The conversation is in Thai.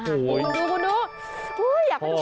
คุณดูอยากให้ทุกคนกลัว